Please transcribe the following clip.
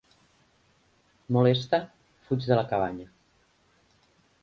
Molesta, fuig de la cabanya.